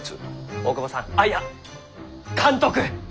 大窪さんああいや監督！